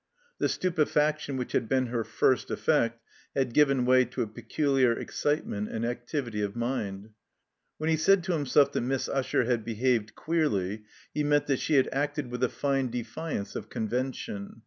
The stupefaction which had been her first effect had given way to a peculiar excitement and activity of mind. When he said to himself that Miss Usher had behaved queerly, he meant that she had acted with a fine defiance of convention.